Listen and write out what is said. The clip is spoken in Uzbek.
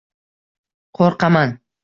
— Qoʼrqaman…